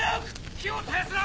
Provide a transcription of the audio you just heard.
火を絶やすな！